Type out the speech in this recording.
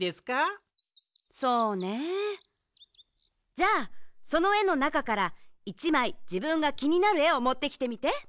そうねえじゃあそのえのなかから１まいじぶんがきになるえをもってきてみて。